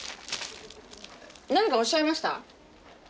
何かおっしゃいました？